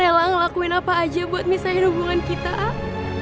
mati rela ngelakuin apa aja buat misahin hubungan kita ah